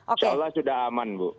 insya allah sudah aman bu